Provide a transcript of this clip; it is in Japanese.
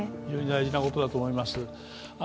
非常に大事なことだと思います。